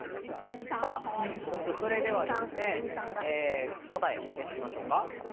それでは答えやっていきましょう。